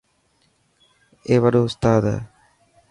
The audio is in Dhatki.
اي وڏو استاد هي.